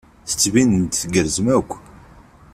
Tettbinem-d tgerrzem akk.